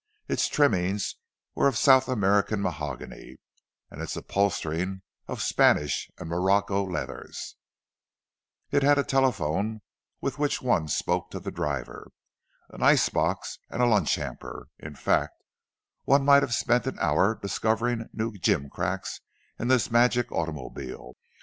Its trimmings were of South American mahogany, and its upholstering of Spanish and Morocco leathers; it had a telephone with which one spoke to the driver; an ice box and a lunch hamper—in fact, one might have spent an hour discovering new gimcracks in this magic automobile.